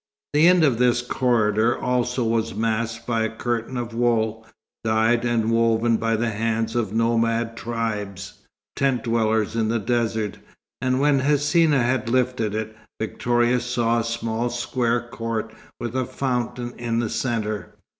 The end of this corridor also was masked by a curtain of wool, dyed and woven by the hands of nomad tribes, tent dwellers in the desert; and when Hsina had lifted it, Victoria saw a small square court with a fountain in the centre.